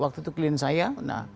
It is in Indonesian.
waktu itu klien saya